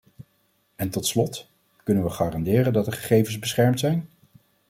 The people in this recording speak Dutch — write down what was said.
En tot slot, kunnen we garanderen dat de gegevens beschermd zijn?